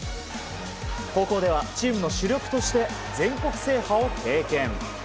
高校ではチームの主力として全国制覇を経験。